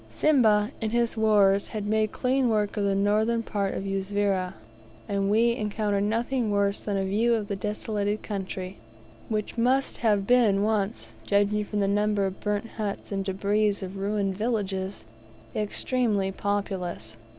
Simba, in his wars, had made clean work of the northern part of Uzavira, and we encountered nothing worse than a view of the desolated country, which must have been once judging from the number of burnt huts and debris of ruined villages extremely populous.